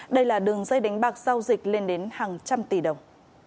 đây là đường dây đánh bạc giao dịch lên đến hàng trăm tỷ đồng